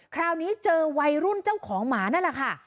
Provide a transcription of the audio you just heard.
คราวนี้เจอวัยรุ่นเจ้าของหมานั่นแหละค่ะ